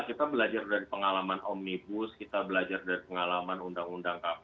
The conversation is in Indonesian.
kita belajar dari pengalaman omnibus kita belajar dari pengalaman undang undang kpk